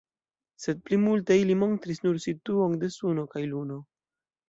Sed plimulte ili montris nur situon de Suno kaj Luno.